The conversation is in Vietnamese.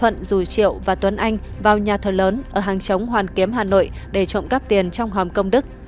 nguyễn văn thuận và tuấn anh vào nhà thờ lớn ở hàng chống hoàn kiếm hà nội để trộm cắp tiền trong hòm công đức